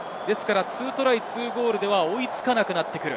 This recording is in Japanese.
２トライ、２ゴールでは追いつかなくなってくる。